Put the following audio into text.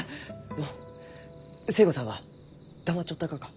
のう寿恵子さんは黙っちょったがか？